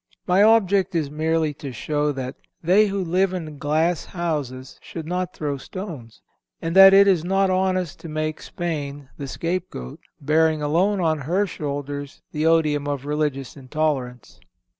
My object is merely to show that "they who live in glass houses should not throw stones;" and that it is not honest to make Spain the scapegoat, bearing alone on her shoulders the odium of religious intolerance.